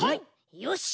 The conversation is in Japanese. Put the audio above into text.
よし！